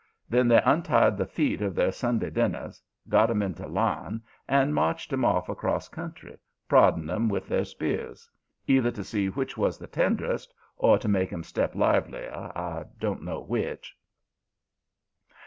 Then they untied the feet of their Sunday dinners, got 'em into line, and marched 'em off across country, prodding 'em with their spears, either to see which was the tenderest or to make 'em step livelier, I don't know which.